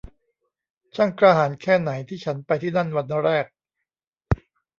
ช่างกล้าหาญแค่ไหน ที่ฉันไปที่นั่นวันแรก